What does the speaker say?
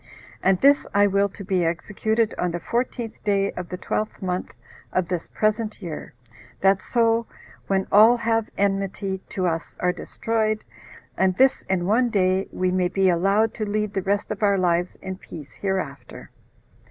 And this I will to be executed on the fourteenth day of the twelfth month of this present year, that so when all that have enmity to us are destroyed, and this in one day, we may be allowed to lead the rest of our lives in peace hereafter."